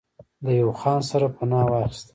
د يو خان سره پناه واخسته